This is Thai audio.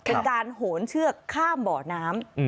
เป็นการโหนเชือกข้ามบ่อน้ำ